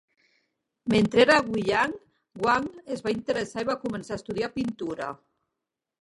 Mentre era a Guiyang, Wang es va interessar i va començar a estudiar pintura.